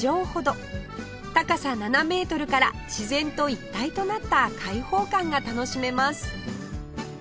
高さ７メートルから自然と一体となった開放感が楽しめます